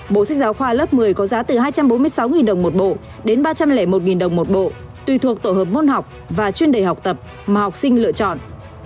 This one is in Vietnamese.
bộ sách giáo khoa lớp một mươi có giá từ hai trăm bốn mươi sáu đồng một bộ đến ba trăm linh một đồng một bộ tùy thuộc tổ hợp môn học và chuyên đề học tập mà học sinh lựa chọn